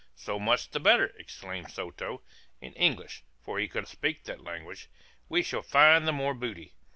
"So much the better," exclaimed Soto, in English (for he could speak that language), "we shall find the more booty."